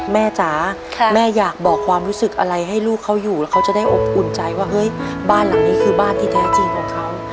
จ๋าแม่อยากบอกความรู้สึกอะไรให้ลูกเขาอยู่แล้วเขาจะได้อบอุ่นใจว่าเฮ้ยบ้านหลังนี้คือบ้านที่แท้จริงของเขา